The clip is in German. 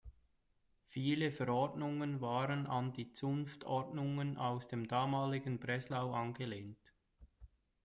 Viele Verordnungen waren an die Zunftordnungen aus dem damaligen Breslau angelehnt.